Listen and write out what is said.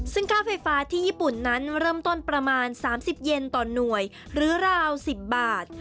ซึ่งค่าไฟฟ้าที่ญี่ปุ่นนั้นเริ่มต้นประมาณ๓๐เย็นต่อหน่วยหรือราว๑๐บาท